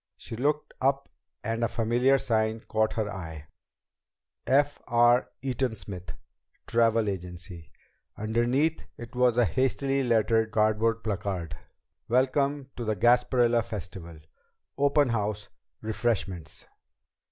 She looked up and a familiar sign caught her eye: F. R. EATON SMITH TRAVEL AGENCY. Underneath it was a hastily lettered cardboard placard: WELCOME TO THE GASPARILLA FESTIVAL. _Open House Refreshments.